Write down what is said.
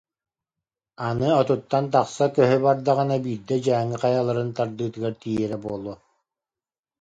Аны отуттан тахса көһү бардаҕына биирдэ Дьааҥы хайаларын тардыытыгар тиийэрэ буолуо